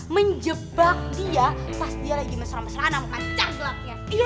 menjebak dia pas dia lagi mesra mesraan sama pacar gelapnya